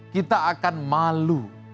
kita akan malu